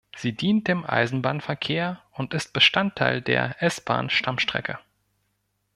Sie dient dem Eisenbahnverkehr und ist Bestandteil der S-Bahn-Stammstrecke.